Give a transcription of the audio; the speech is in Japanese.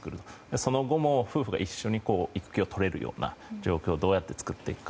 その後も、夫婦が一緒に育休を取れるような状況をどうやって作っていくか。